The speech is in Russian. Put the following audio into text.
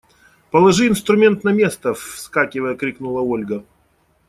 Положи инструмент на место! –вскакивая, крикнула Ольга.